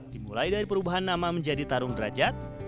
dimulai dari perubahan nama menjadi tarung derajat